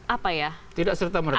apa ya tidak serta merta